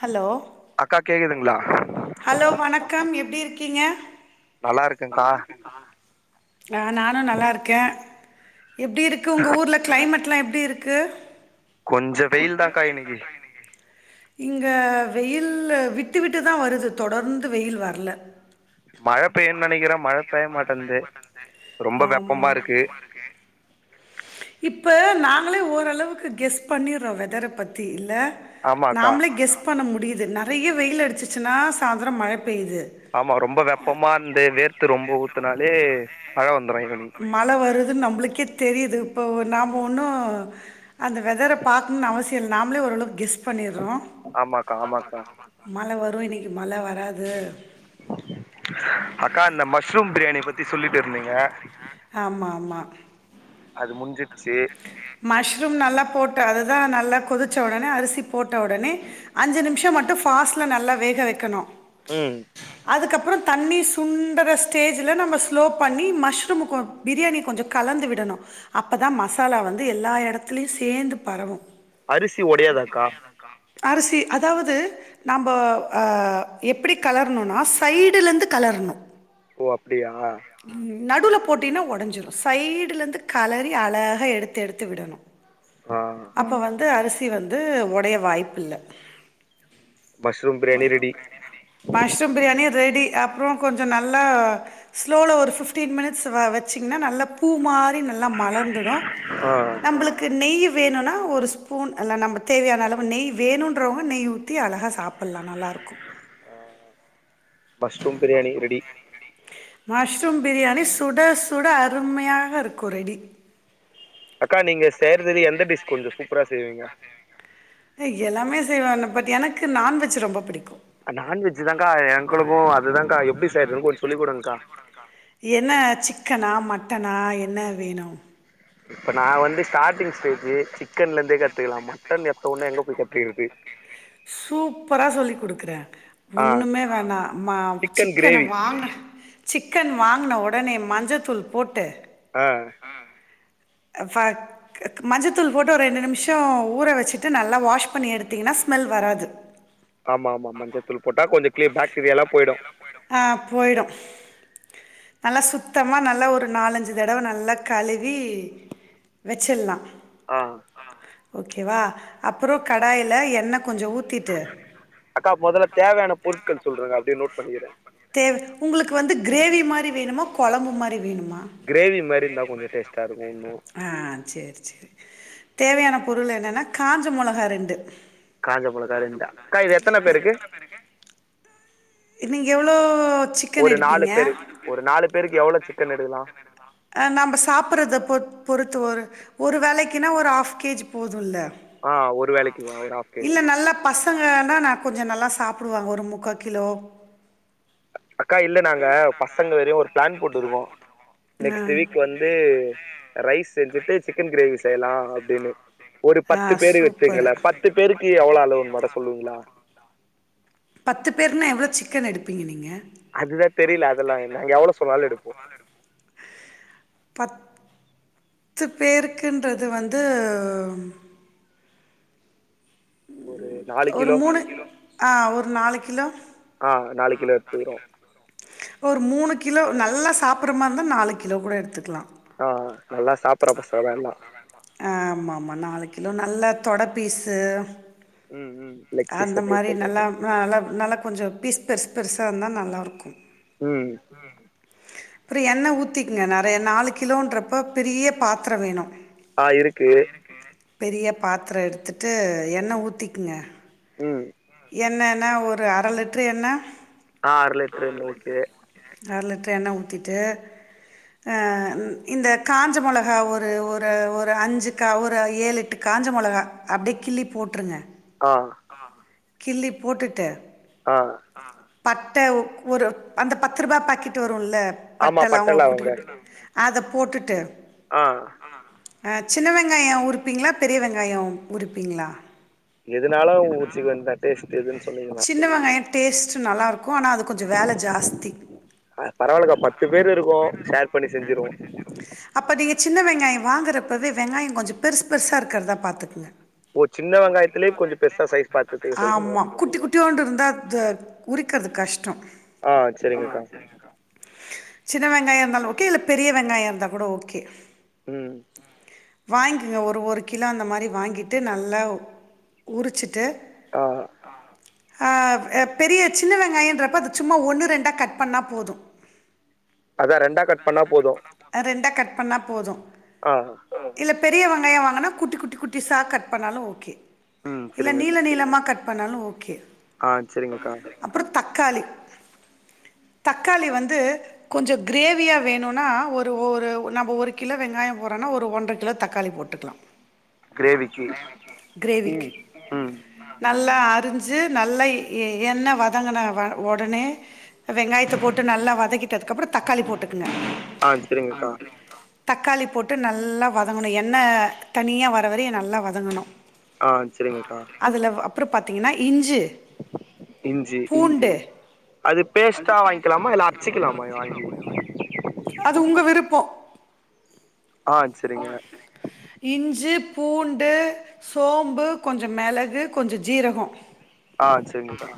hello அக்கா கேக்குதுங்களா hello வணக்கம் எப்டி இருக்கிங்க நல்லா இருக்கேன்க்கா ஆ நானு நல்லாருக்கே எப்டி இருக்கு உங்க ஊர்ல க்ளைமேட்லா எப்டி இருக்கு கொஞ்ச வெயில் தா கா இன்னிக்கி இங்க வெயில் விட்டு விட்டு தா வருது தொடர்ந்து வெயில் வர்ல மழ பெய்யுன் நெனைக்கிற மழ பெய்ய மாட்டேன்து ரொம்ப ஆமா வெப்பமா இருக்கு இப்ப நாங்களே ஓரளவுக்கு கெஸ் பண்ணிர்றோ வெதர பத்தி இல்ல ஆமாக்கா நாமளே கெஸ் பண்ண முடியுது நறய வெயில் அடுச்சுச்சுனா சாய்ந்தரோ மழபெயிது ஆமா ரொம்ப வெப்பமார்ந்து வேர்த்து ரொம்ப ஊத்துனாலே மழ வந்துரு ஈவ்னிங் மழ வருதுன் நம்ளுக்கே தெரிது இப்போ நாம ஒன்னோ அந்த வெதர பாக்ணுன் அவசியோல் நாம்ளே ஓரளவுக் கெஸ் பண்ணிர்றோ ஆமாக்கா ஆமாக்கா மழ வரு இன்னிக்கி மழ வராது அக்கா இந்த மஷ்ரூம் பிரியாணி பத்தி சொல்லிட்டு இருந்திங்க ஆம்மா அம்மா அது முட்ஞ்சுட்ச்சி மஷ்ரூம் நல்லா போட்டு அதுதா நல்ல கொதிச்ச ஒடனே அரிசி போட்ட ஒடனே அஞ்சு நிம்ஷோ மட்டு ஃபாஸ்ட்ல நல்லா வேக வெக்கணு ம் அதுக்கப்பற தண்ணி சுண்டற ஸ்டேஜில நம்ப ஸ்லோ பண்ணி மஷ்ருமுக்கோ பிரியாணி கொஞ்சோ கலந்து விடணு அப்போதா மஸ் மசாலா வந்து எல்லா எடத்துலயு சேந்து பரவு அரிசி ஒடையாதாக்கா அரிசி அதாவது நம்போ ஆ எப்புடி கலர்ணுனா சைடுலந்து கலர்ணு ஓ அப்டியா நடுவுல போட்டின ஒடஞ்சிரு சைடுலந்து கலரி அலஹ் அ எடுத்து எடுத்து விடணு ஆ அப்போ வந்து அரிசி வந்து உடைய வாய்ப்பு இல்ல mushroom biryani ready mushroom biryani ready அப்புறோ கொஞ்சொ நல்லா ஸ்லோல ஒரு ஃபிஃப்டீன் மினிட்ஸ் வ வெச்சிங்கன்னா நல்லா பூ மாரி நல்லா மலர்ந்துடு ஆ நம்மளுக்கு நெய் வேணுனா ஒரு ஸ்பூன் ந நாம தேவையான அளவு நெய் வேணுன்றவங்க நெய் ஊத்தி அழகா சாப் புல்லா நல்லா இருக்கு mushroom biryani ready mushroom biryani சுட சுட அருமையாக இருக்கு ரெடி அக்கா நீங்க செய்றதுல எந்த டிஷ் கொஞ்ச சூப் அ எல்லாமே செய்வே பட் எனக்கு நான்வெஜ் ரொம்ப பிடிக்கு அ நான்வெஜ்ஜுதாக்கா எங்களுக்கு அதுதாக்கா எப்டி செய்றதுன் கொஞ்ச சொல்லி கொடுங்கக்கா என்ன சிக்கனா மட்டனா என்ன வேணு இப்ப நா வந்து ஸ்டார்ட்டிங் ஸ்டேஜ்ஜு சிக்கன்ல இருந்தே கத்துக்கலா மட்டன் எத்த ஒன்னே எங்க போய் கத்துக்கறது சூப்பரா சொல்லி் குடுக்குறே ஆ ஒன்னுமே வேணா மா சிக்கன் சிக்கன கிரேவி வாங்க சிக்கன் வாங்குன ஒடனே மஞ்சத்தூள் போட்டு ஆ அ ஃப கு மஞ்சத்தூள் போட்டு ஒரு ரெண்டு நிமிஷோ ஊற வெச்சுட்டு நல்லா வாஷ் பண்ணி எடுத்தீங்கன்னா ச் ஸ்மெல் வராது ஆமா ஆமா மஞ்சத்தூள் போட்டா கொஞ்ச கிளீ பாக்டீரியா எல்லா போயிடு ஆ போயிடு நல்லா சுத்தமா நல்லா ஒரு நாலஞ்சு தடவ நல்லா கழுவி வெச்சுர்லா ஆ ஓகேவா அப்புறோ கடாயில எண்ண கொஞ்சொ ஊத்திட்டு அக்கா முதல்ல தேவையான பொருட்கள் சொல்றுங்க அப்டியே நோட் பண்ணிக்குற தேவ் உங்களுக்கு வந்து கிரேவி மாரி வேணுமா கொழம்பு மாரி வேணுமா கிரேவி மாரி இருந்தா கொஞ்சொ டேஸ்ட்டா இருக்கு உன்னு ஆ சேரி சேரி தேவையான பொருள் என்னென்னா காஞ்ச மொளகா ரெண்டு காஞ்சமொளாக ரெண்டு அக்கா இது எத்தன பேருக்கு நீங்க எவ்ளோ சிக்கன் ஒரு நாலு எடுப்பீங்க பேரு ஒரு நாலு பேருக்கு எவ்ளோ சிக்கன் எடுக்கலா அ நம்ம சாப்புட்றத பொ பொறுத்து ஒரு ஒரு வேலைக்குனா ஆஃப் கேஜி போதுல ஆ ஒரு வேலைக்குவா ஒரு ஹாஃப் இல்ல கேஜி நல்லா பசங்கனா நா கொஞ்சொ நல்லா சாப்புடுவாங்க ஒரு முக்கா கிலோ அக்கா இல்ல நாங்க பசங்க வரையு ஒரு பிளான் போட்டுருக்கோ ஆ நெக்ஸ்ட் வீக் வந்து ரைஸ் செஞ்சுட்டு சிக்கன் கிரேவி செய்யலா அப்டின்னு ஒரு ஆ பத்து பேரு சூப்பர் வெச்சுக்குங்கள பேர் பத்து பேருக்கு எவ்ளோ அளவுன்னு மட்டு சொல்லுவீங்களா பத்து பேர்னா எவ்ளோ சிக்கன் எடுப்பீங்க நீங்க அதுதா தெரியில அதெல்லா நாங்க எவ்ளோ சொன்னாலு எடுப்போ நல்லா இருக் பத் பத்து பேருக்குன்றது வந்து ஒரு நாலு ஒரு கிலோ மூணு ஆ ஒரு நாலு கிலோ ஆ நாலு கிலோ எடுத்துக்கிறோ ஒரு மூணு கிலோ நல்லா சாப்ட்ற மாரி இருந்தா நாலு கிலோ கூட எடுத்துக்லா ஆ நல்லா சாப்புட்ற பசங்க தா எல்லா ஆமா மா நாலு கிலோ நல்லா தொட பீஸு ம் ம் லெக் பீஸ் அந்த எப்டி மாரி நல்லா சொல்றீங்க நல்லா நல்லா கொஞ்சோ பீஸ் பெருஸ் பெருசா இருந்தா நல்லாருக்கு ம் அப்ற எண்ணெ ஊத்தக்கிங்க நெறய நாலு கிலோன்றப்ப பெரிய பாத்திர வேணு ஆ இருக்கு பெரிய பாத்திர எடுத்துட்டு எண்ணெ ஊத்திக்குங்க ம் எண்ணென்னா ஒரு அர லிடிட்ட்ரு எண்ணெ ஆறுலிட்டரு எண்ணெ ஓகே அரை லிட்டர் எண்ணெ ஊத்திட்டு அ இந்த காஞ்ச மொளகா ஒரு ஒரு ஒரு அஞ்சு கா ஒரு ஏழு காஞ்ச மொளகா அப்டே கிள்ளி போட்ருங்க ஆ கிள்ளி போட்டுட்டு ஆ பட்ட ஒரு அந்த பத்து ரூபா பாக்கெட் வருல்ல ஆமா பட்டை பட்ட லவங்க குட்டுகுட் அத போட்டுட்டு ஆ சின்ன வெங்காய உருப்பீங்ளா பெரிய வெங்காய உருப்பீங்ளா எதுனாலு ஊத்திக்க வேண்டியதா டேஸ்ட் எதுன்னு சொன்னீங்கன்னா சின்ன வெங்காய டேஸ்ட் நல்லாருக்கு க்கு ஆனா அது கொஞ்சோ வேல ஜாஸ்தி பரவால்லக்கா பத்து பேரு இருக்கோ ஷேர் பண்ணி செஞ்சிருவோ அப்போ நீங்க சின்ன வெங்காய வாங்குறப்பவே வெங்காய கொஞ்சோ பெருசு பெருசா இருக்கிறதா பாத்துக்கங்க ஓ சின்ன வெங்காயத்துலயே கொஞ்ச பெருசா சைஸ் பார்த்து ஆமா குட்டி குட்டியூண்டு இருந்தால் உறிக்கிறது கஷ்டம் ஆ ஆமா செரிங்கக்கா சரிங்கக்கா சின்ன வெங்காயம் இருந்தாலும் ஓகே இல்ல பெரிய வெங்காயம் இருந்தா கூட ஓகே ம் வாங்கிங்க ஒரு ஒரு கிலோ அந்த மாரி வாங்கிட்டு நல்லா உரிச்சிட்டு ஆ ஆ ஆ பெரிய சின்ன வெங்காயன்றப்ப அது சும்மா ஒன்று ரெண்டா கட் பண்ணா போது அதா ரெண்டா கட் பண்ணா போது ஆ ரெண்டா கட் பண்ணா போது ஆ இல்ல பெரிய வெங்காய வாங்குனா குட்டி குட்டி குட்டி சா கட் பண்ணாலு ஓகே ம் இல்ல செரிங்கக்கா நீள நீளமா கட் பண்ணாலு ஓகே ஆ சரிங்கக்கா அப்பற தக்காளி தக்காளி வந்து கொஞ்ச கிரேவியா வேணுனா ஒரு ஒரு நாம ஒரு கிலோ வெங்காய போடணு ஒரு ஒன்ற கிலோ தக்காளி போட்டுக்லா கிரேவிக்கி ம் கிரேவிக்கு ம் நல்லா அறிஞ்சு நல்லா எ எண்ணெ வதங்குன வ ஒடனே வெங்காயத்த போட்டு நல்லா வதக்கிட்டதுக்கு அப்பற தக்காளி போட்டுக்கங்க ஆ செரிங்கக்கா தக்காளி போட்டு நல்லா வதங்கணு எண்ணெ தனியாக வர வரையு நல்லா வதங்கணு அ சரிங்கக்கா அதுல வ அப்பற பாத்தீங்கன்னா இஞ்சு இஞ்சி அது பேஸ்ட்டா வாங்கிக்கலாமா இல்ல அரச்சிக்கலாமா வாங்கி அது உங்க விருப்பம் அ சரிங்க இஞ்சு பூண்டு சோம்பு கொஞ்ச மெளகு கொஞ்ச ஜீரகோ அ சரிங்கக்கா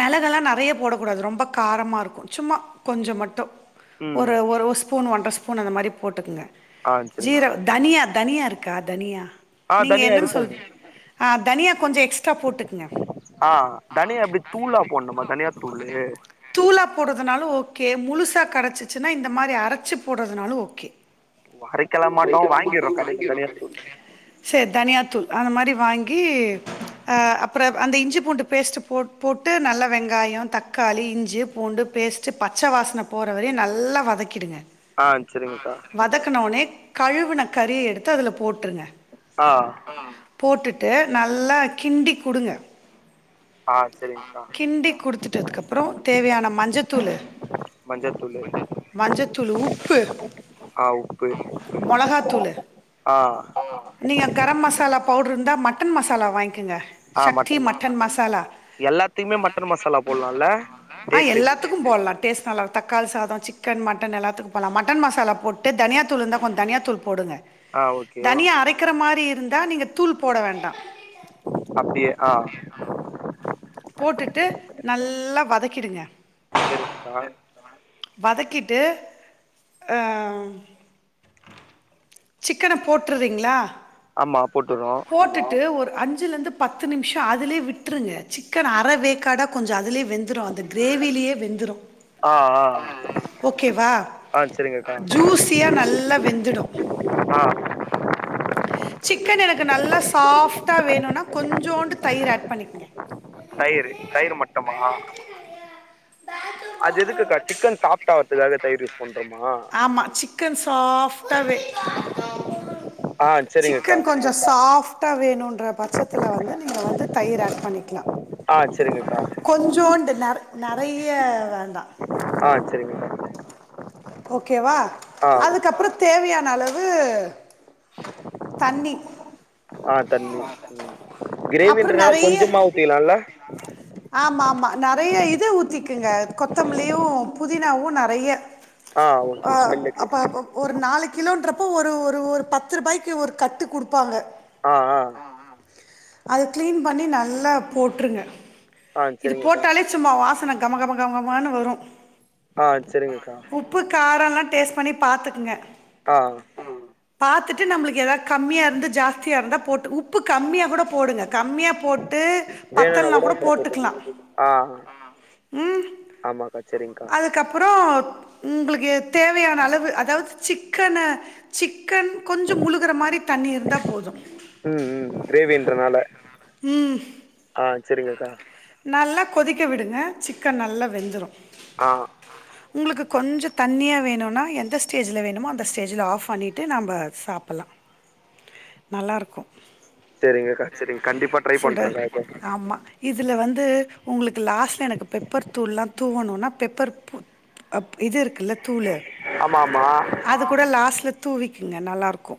மெளகெல்லா நெறைய போட கூடாது ரொம்ப காரமாருக்கு சும்மா கொஞ்ச மட்டு ம் ஒரு ஒரு ஒர் ஸ்பூன் ஒன்ற ஸ்பூன் அந்த மாரி போட்டுக்குங்க ஆ செரிங்கக்கா ஜீரகம் தனியா தனியா இருக்கா தனியா ஆ நீங்க தனியா என்னென் சொல் இருக்குமே அ தனியா கொஞ்ச எக்ஸ்ட்ரா போட்டுக்குங்க அ தனியா எப்டி தூளா போட்ணுமா தனியா தூளு தூளா போட்றதுனாலு ஓகே முழுசா கெடச்சுச்சுன்னா இந்த மாரி அரச்சு போட்றதுனாலு ஓகே அரைக்கெலா மாட்டோ வாங்கிர்றோ கடைல தனியா தூள் சேர் தனியா தூள் அந்த மாரி வாங்கி அ அப்பற அந்த இஞ்சி பூண்டு பேஸ்டு போட் போட்டு நல்ல வெங்காயொ தக்காளி இஞ்சு பூண்டு பேஸ்ட்டு பச்ச வாஸ்ன போற வரையு நல்லா வதக் கிடுங்க ஆ செரிங்கக்கா வதக்குனோனே கழுவுன கறி எடுத்து அதுல போட்ருங்க அ போட்டுட்டு நல்லா கிண்டி குடுங்க ஆ சரிங்க்கா கிண்டி குடுத்துட்டதுக்கப்பறோ தேவையான மஞ்சத்தூளு மஞ்சத்தூளு மஞ்சத்தூள் உப்பு ஆ உப்பு மொளகா தூளு ஆ நீங்க கரம் மசாலா பவுடரு இருந்தா மட்டன் மசாலா வாங்கிக்கங்க சக்தி மட்டன் மசாலா எல்லாத்தியுமே மட்டன் மசாலா போட்லால்ல டேஸ்டுக்கு கும் போட்லா டேஸ்ட் நல்லா தக்காளி சாதொ சிக்கன் மட்டன் எல்லாத்துக்கு போட்லா மட்டன் மசாலா போட்டு தனியா தூள் இருந்தா கொஞ்ச தனியா தூள் போடுங்க ஆ ஓகே தனியா அரைக்கிற மாரி இருந்தா நீங்க தூள் போட வேண்டா அப்டியே அ போட்டுட்டு நல்லா வதக்கிடுங்க சரிங்கா வதக்கிட்டு அ சிக்கன போட்ருறீங்ளா ஆமா போட்டுறோ போட்டுட்டு ஒரு அஞ் சுலருந்து பத்து நிம்ஷோ அதுலே விட்ருங்க சிக்கன் அர வேக்காடா கொஞ்ச அதுலே வெந்துரு அந்த கிரேவிலியே வெந்துரு ஆ ஆ ஓகேவா ஆ சரிங்கக்கா ஜூஸியா நல்லா வெந்துடு அ சிக்கன் எனக்கு நல்லா சாஃப்டா வேணுனா கொஞ்சோண்டு தயிர் ஆட் பண்ணிகுங்க தயிரு தயிர் மட்டுமா அது எதுக்குக்கா சிக்கன் சாஃப்ட் ஆவுரதுக்காக தயிர் யூஸ் பண்றோமா ஆம்மா சிக்கன் சாஃப்டாவே ஆ சரிங்கக்கா சிக்கன் கொஞ்சம் சாஃப்ட்டா வேணுன்ற பட்சத்தில் வந்து நீங்கள் வந்து தயிர் ஆட் பண்ணிக்கலாம் ஆ சரிங்கக்கா கொஞ்சோண்டு ந நிறைய வேண்டாம் ஆ மேடம் சரிங்க ஓகேவா அதுக்கப்புறம் தேவையான அளவு தண்ணி ஆ தண்ணி அப்புறம் கிரேவின்றதனால கொஞ்சமா ஊத்திலாமல்ல ஆமாம்மா நிறைய இது ஊத்திக்குங்க கொத்தமல்லியும் புதினாவும் நிறைய ஆ ஓகே ஸ்மெல்லுக்கு அப்ப அப்ப ஒரு நாலு கிலோன்றப்போ ஒரு ஒரு ஒரு பத்து ரூபாய்க்கு ஒரு கட்டு கொடுப்பாங்க ஆ ஆ அது கிளீன் பண்ணி நல்லா போட்ருங்க ஆ இது சரிங்கக்கா போட்டாலே சும்மா வாசன கமகம கமகமன்னு வரு உப் ஆ சரிங்கக்கா உப்பு காரோலா டேஸ்ட் பண்ணி பாத்துக்குங்க ஆ பாத்துட்டு நம்மளுக்கு எதாவது கம்மியா இருந்து ஜாஸ்தியா இருந்தா போட் டு உப்பு கம்மியா கூட போடுங்க கம்மியா போட்டு வேணும்னா பத்தலனா கூட அப்புறம் போட்டுக்கிலா போட்டுக்கலாம் ஆ ம் ஆமாக்கா சரிங்க்கா அதுக்கப்பறோ உங்களுக்கு எ தேவையான அளவு அதாவது சிக்கன சிக்கன் கொஞ்சோ முழுகிற மாரி தண்ணி இருந்தா போது ம் ம் கிரேவின்றனால ம் ஆ செரிங்க க்கா நல்லா கொதிக்க விடுங்க சிக்கன் நல்லா வெந்துரு ஆ உங்களுக்கு கொஞ்சோ தண்ணியா வேணுனா எந்த ஸ்டேஜ்ல வேணுமோ அந்த ஸ்டேஜ்ல ஆஃப் பண்ணிட்டு நம்ப சாப்பிலா [inaudible] நல்லாருக்கு செரிங்கக்கா செரிங் கண்டிப்பா ட்ரை பண்றங்கா இத இதுல வந்து உங்களுக்கு லாஸ்ட்டா எனக்கு பெப்பர் தூள்லா தூவணுனா பெப்பர் பூ அப் இது இருக்குல்ல தூளு ஆமா ஆமா அது கூட லாஸ்ட்ல தூவிக்குங்க நல்லா இருக்கு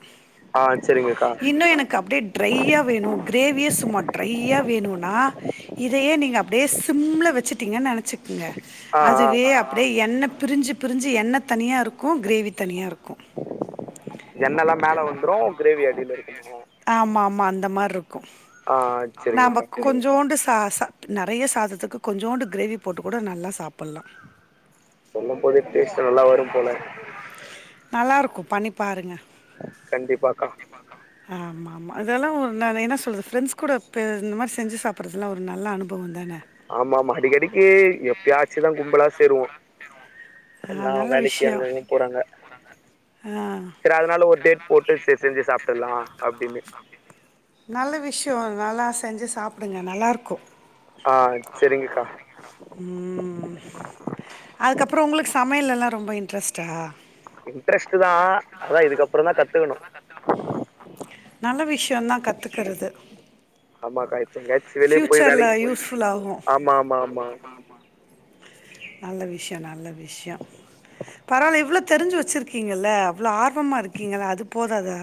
ஆ சரிங்கக்கா இன்னு எனக் கு அப்டியே ட்ரையா வேணு கிரேவியே சும்மா ட்ரையா வேணுனா இதையே நீங்க அப்டியே சிம்ல வச்சுட்டீங்கன்னு நெனச்சுக்குங்க ஆ ஆ அதுவே அப்டியே எண்ணெ பிரிஞ்சு பிரிஞ்சு எண்ணெ தனியா ருக்கு கிரேவி தனியா ருக்கு எண்ணெல்லா மேல வந்துரு கிரேவி அடில இருக்கும் ஆமா ஆமா அந்த மா ருக்கு ஆ நம்ம சரிங்கக்கா கு கொஞ்சோண்டு சா சாப்டு நெறைய சாதத்துக்கு கொஞ்சோண்டு கிரேவி போட்டு கூட நல்லா சாப்பில்லா சொல்லு போதே டேஸ்டு நல்லா வரு போல நல்லாருக்கு பண்ணி பாருங்க கண்டிப்பாக்கா ஆமா ஆமா இதெல்லா ஒரு நானு என்ன சொல்றது ஃபிரெண்ஸ் கூட இப்ப இந்த மாரி செஞ்சு சாப்புறதுலா ஒரு நல்ல அனுபவோந்தான ஆமா ஆமா அடிக்கடிக்கு எப்பியாச்சுதா கும்புலா சேருவோ ஆ எல்லா நல்ல வேலைக்கு விஷ்யோ அங்கங்க போறாங்க ஆ செரி அதுனால ஒரு டேட் போட்டு சே செஞ்சு சாப்ட்டுலா அப்டின்னு நல்ல விஷ்யோ நல்லா செஞ்சு சாப்பிடுங்க நல்லாருக்கு ஆ செரிங்கக்கா ம் அதுக்கப்பறோ உங்களுக்கு சமையெல்லா ரொம்ப இன்ட்ரெஸ்ட்டா இன்ட்ரெஸ்ட் தா அதா இதுக்கப்பறோ தா கத்துக்கணு நல்ல விஷ்யந்தா கத்துக்கிறது ஆமாக்கா இப்ப எங்கயாச்சு வெளிய போய் ஃப்யூச்சர் ல வேலைக்கு போ யூஸ் ஃபுல் ஆகு ஆமா ஆமா ஆமா நல்ல விஷ்யோ நல்ல விஷ்யோ பரவால்ல இவ்ளோ தெரிஞ்சு வச்சுருக்கீங்கள அவ்ளோ ஆர்வமா இருக்கீங்கள அது போதாதா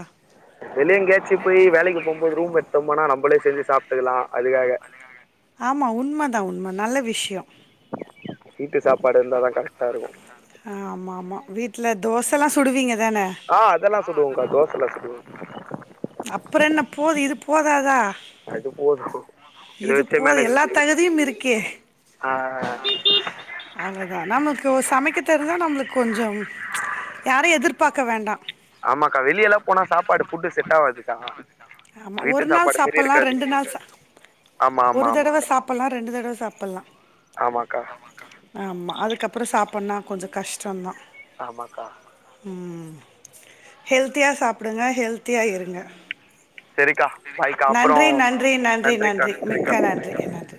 வெளிய எங்கேயாச்சு போய் வேலைக்கு போம்போது ரூம் எத்தோம்மானா நம்பளே செஞ்சு சாப்டுக்கலா அதுக்காக ஆமா உண்ம தா உண்ம நல்ல விஷ்யோ வீட்டு சாப்பாடு இருந்தாதா கரெக்ட்டா இருக்கு ஆ ஆமா ஆமா வீட்ல தோசலா சுடுவீங்கதான ஆ அதெல்லா சுடுவோங்கா தோசலா சுடுவோ அப்புறென்ன போது இது போதாதா அது போது இத இது வச்சே போது மேனேஜ் எல்லா பண்ணிக்கலா தகுதியும் இருக்கே ஆ அவ்ளதா நமக்கு சமைக்க தெரிஞ்சா நம்ளுக் கொஞ்சோ யாரையு எதிர்பாக்க வேண்டா ஆமாக்கா வெளியல்லா போனா சாப்பாடு ஃபுட்டு செட் ஆவாதுக்கா ஆமா வீட்டு ஒரு நாள் சாப்பாடு சாப் மாரி ட்டோனா இருக்காது ரெண்டு நாள் சா ஆமா ஒரு ஆமாம் தடவ சாப்புல்லா ரெண்டு தடவ சாப்புல்லா ஆமாக்கா ஆமா அதுக்கப்புறோ சாப்புனா கொஞ்சோ கஷ்டோந்தா ஆமாக்கா ம் ஹெல்த்தியா சாப்புடுங்க ஹெல்த்தியா இருங்க செரிக்கா பாய்க்கா அப்புறோ நன்றி நன்றி நன்றி நன்றிக்கா நன்றி மிக்க நன்றிக்கா நன்றி நன்றி